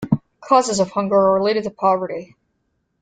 Causes of hunger are related to poverty.